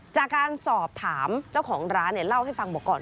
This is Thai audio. จากการสอบถามเจ้าของร้านเนี่ยเล่าให้ฟังบอกก่อน